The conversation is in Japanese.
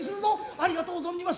ありがとう存じます。